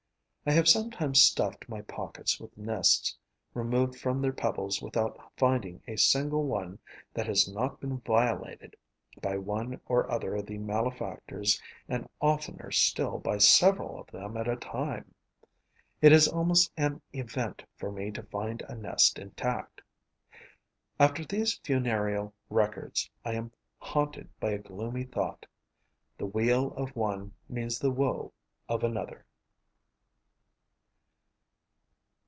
I have sometimes stuffed my pockets with nests removed from their pebbles without finding a single one that has not been violated by one or other of the malefactors and oftener still by several of them at a time. It is almost an event for me to find a nest intact. After these funereal records, I am haunted by a gloomy thought: the weal of one means the woe of another.